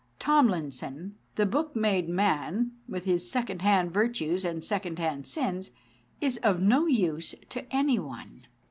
Tomlinson, the book made man, with his secondhand virtues and secondhand sins, is of no use to any one.